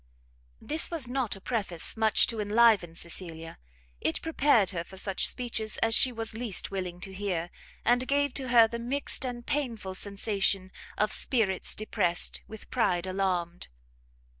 This was not a preface much to enliven Cecilia; it prepared her for such speeches as she was least willing to hear, and gave to her the mixt and painful sensation of spirits depressed, with ride alarmed.